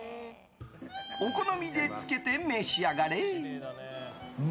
お好みでつけて召し上がれ。